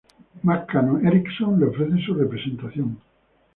McCann Erickson le ofrece su representación.